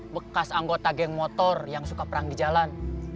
bekas anggota geng motor yang suka perang di jalan